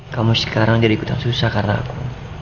kamu sekarang jadi ikutan susah karena aku